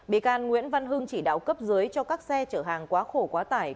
bị can nguyễn văn hưng chỉ đạo cấp dưới cho các xe chở hàng quá khổ quá tải